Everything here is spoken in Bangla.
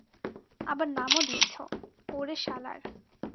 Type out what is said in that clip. আবার নামও দিয়েছো, ওরে শালার।